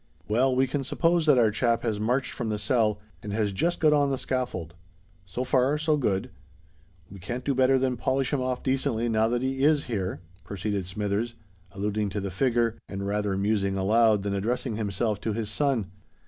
"Well, we can suppose that our chap has marched from the cell, and has just got on the scaffold. So far, so good. We can't do better than polish him off decently now that he is here," proceeded Smithers, alluding to the figure, and rather musing aloud than addressing himself to his son.